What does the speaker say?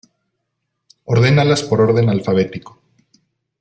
Ordénalas por orden alfabético.